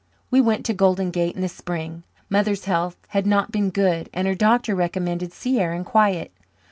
We went to Golden Gate in the spring. Mother's health had not been good and her doctor recommended sea air and quiet.